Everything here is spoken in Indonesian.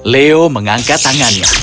leo mengangkat tangannya